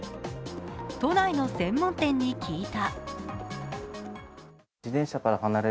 都内の専門店に聞いた。